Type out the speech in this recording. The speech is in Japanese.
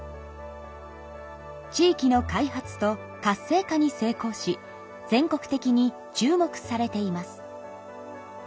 地域の開発と活性化に成功し全国的に注目されています。